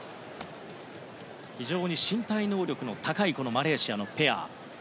非常に身体能力の高いマレーシアのペア。